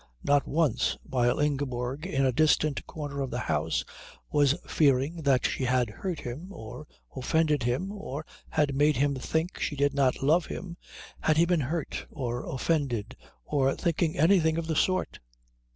Not once, while Ingeborg in a distant corner of the house was fearing that she had hurt him, or offended him, or had made him think she did not love him, had he been hurt or offended or thinking anything of the sort.